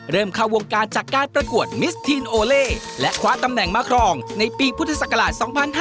เริ่มเข้าวงการจากการประกวดมิสทีนโอเล่และคว้าตำแหน่งมาครองในปีพุทธศักราช๒๕๕๙